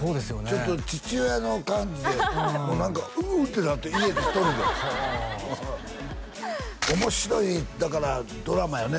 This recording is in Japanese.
ちょっと父親の感じでもう何かううってなって家で一人で面白いだからドラマやね